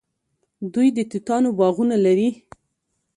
دوی د توتانو باغونه لري.